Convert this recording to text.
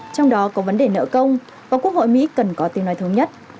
trong đó có vấn đề nợ công và quốc hội mỹ cần có tiếng nói thống nhất